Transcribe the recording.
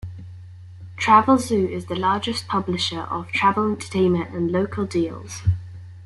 Travelzoo is the largest publisher of travel, entertainment and local deals.